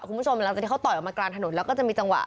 คุณผู้ชมหลังจากที่เขาต่อยออกมากลางถนนแล้วก็จะมีจังหวะ